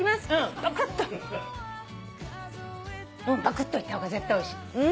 バクッといった方が絶対おいしい。